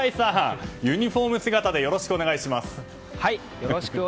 ユニホーム姿でよろしくお願いします。